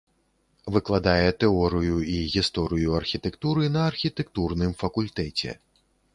Выкладае тэорыю і гісторыю архітэктуры на архітэктурным факультэце.